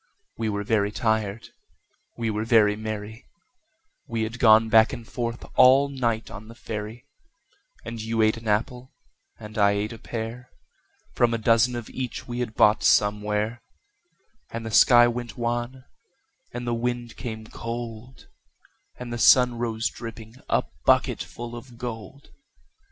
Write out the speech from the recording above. We were very tired, we were very merry We had gone back and forth all night on the ferry, And you ate an apple, and I ate a pear, From a dozen of each we had bought somewhere; And the sky went wan, and the wind came cold, And the sun rose dripping, a bucketful of gold.